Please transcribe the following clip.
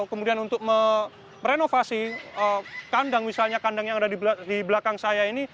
kemudian untuk merenovasi kandang misalnya kandang yang ada di belakang saya ini